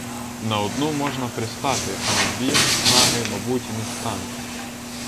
На одну можна пристати, а на дві — снаги, мабуть, не стане!